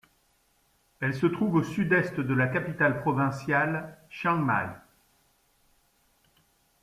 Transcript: Elle se trouve au sud-est de la capitale provinciale Chiang Mai.